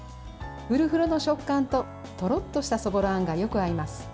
ふるふるの食感ととろっとしたそぼろあんがよく合います。